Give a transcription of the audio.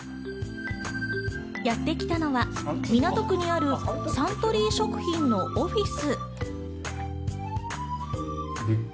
やってきたのは港区にあるサントリー食品のオフィス。